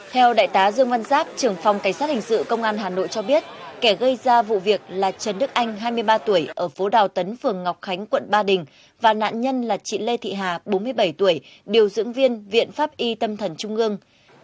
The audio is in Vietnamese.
theo đại tá dương văn giáp trưởng phòng cảnh sát hình sự công an hà nội cho biết kẻ gây ra vụ việc là trần đức anh hai mươi ba tuổi ở phố đào tấn phường ngọc khánh quận ba đình và nạn nhân là chị lê thị hà bốn mươi bảy tuổi điều dưỡng viên viện pháp y tâm thần trung ương